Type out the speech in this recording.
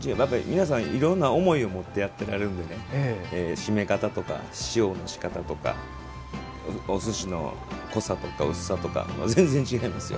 皆さん、いろんな思いを持ってやってられるのでしめ方とか、塩のしかたとかおすしの濃さとか薄さとか全然、違いますよ。